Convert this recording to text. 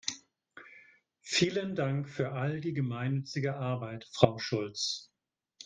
Vielen Dank für all die gemeinnützige Arbeit, Frau Schulz!